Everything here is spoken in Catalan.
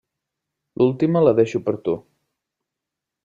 L'última la deixo per a tu.